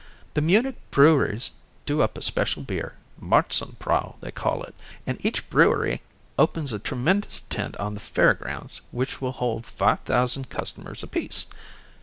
The Munich breweries do up a special beer, Marzenbräu they call it, and each brewery opens a tremendous tent on the fair grounds which will hold five thousand customers apiece.